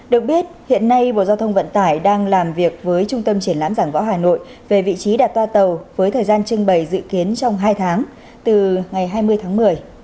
được biết hiện nay bộ giao thông vận tải đang làm việc với trung tâm triển lãm giảng võ hà nội về vị trí đặt toa tàu với thời gian trưng bày dự kiến trong hai tháng từ ngày hai mươi tháng một mươi